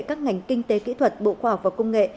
các ngành kinh tế kỹ thuật bộ khoa học và công nghệ